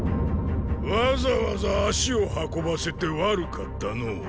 わざわざ足を運ばせて悪かったのォ。